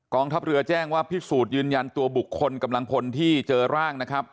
ทัพเรือแจ้งว่าพิสูจน์ยืนยันตัวบุคคลกำลังพลที่เจอร่างนะครับ